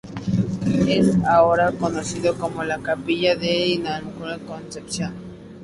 Es ahora conocida como la Capilla de la Inmaculada Concepción.